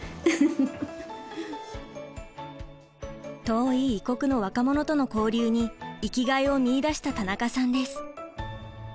遠い異国の若者との交流に生きがいを見いだした田中さんです。